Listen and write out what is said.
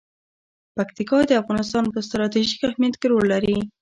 پکتیکا د افغانستان په ستراتیژیک اهمیت کې رول لري.